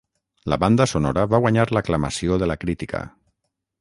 La banda sonora va guanyar l'aclamació de la crítica.